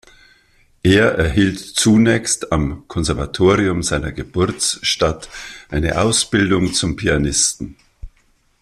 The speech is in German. Er erhielt zunächst am Konservatorium seiner Geburtsstadt eine Ausbildung zum Pianisten.